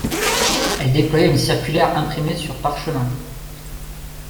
Elle déployait une circulaire imprimée sur parchemin.